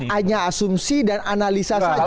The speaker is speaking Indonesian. jadi hanya asumsi dan analisa saja